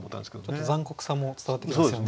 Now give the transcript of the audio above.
ちょっと残酷さも伝わってきますよね。